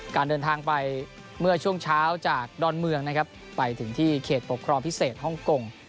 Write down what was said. การเดินทางไปเมื่อช่วงเช้าจากดอนเมืองนะครับไปถึงที่เขตปกครองพิเศษฮ่องกง